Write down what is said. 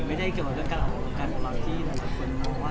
ไม่ได้เกี่ยวกับการออกอาการของเราที่หลังจากความอ้วน